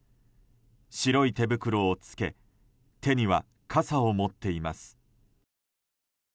白い手袋を着け手には傘を持っています。